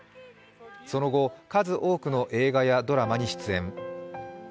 その後、数多くの映画やドラマに出演。